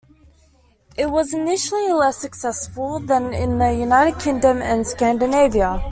It was initially less successful than in the United Kingdom and Scandinavia.